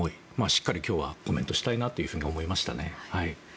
しっかり今日はコメントをしたいなと思いましたね。